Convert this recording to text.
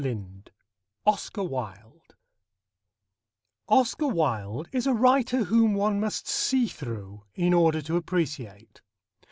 XVII OSCAR WILDE Oscar Wilde is a writer whom one must see through in order to appreciate.